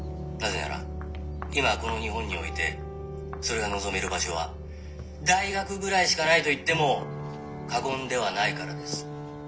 なぜなら今この日本においてそれが望める場所は大学ぐらいしかないと言っても過言ではないからです。